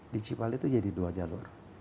di cipali itu jadi dua jalur